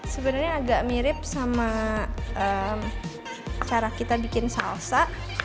sebenarnya agak mirip sama cara kita bikin salsa